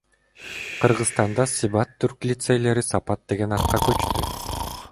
Кыргызстанда Себат түрк лицейлери Сапат деген атка көчтү.